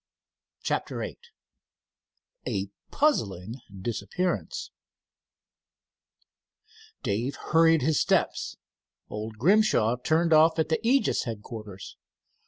CHAPTER VIII A PUZZLING DISAPPEARANCE Dave hurried his steps. Old Grimshaw turned off at the Aegis headquarters.